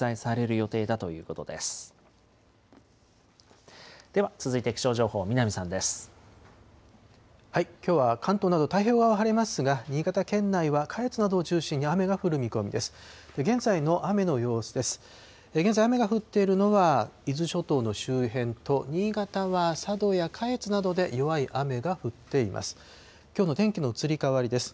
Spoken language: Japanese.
現在、雨が降っているのは伊豆諸島の周辺と、新潟は佐渡や下越などで弱い雨が降っています。